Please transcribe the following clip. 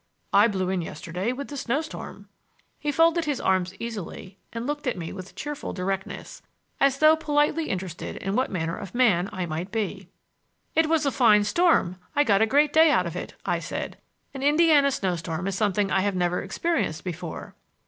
I blew in yesterday with the snow storm." He folded his arms easily and looked at me with cheerful directness, as though politely interested in what manner of man I might be. "It was a fine storm; I got a great day out of it," I said. "An Indiana snow storm is something I have never experienced before."